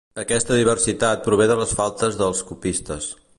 Aquesta diversitat prové de les faltes dels copistes.